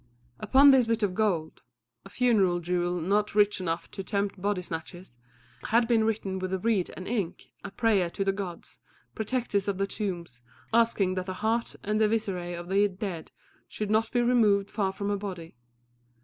Upon this bit of gold a funeral jewel not rich enough to tempt body snatchers had been written with a reed and ink a prayer to the gods, protectors of the tombs, asking that the heart and the visceræ of the dead should not be removed far from her body.